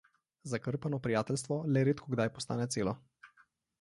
Zakrpano prijateljstvo le redkokdaj postane celo.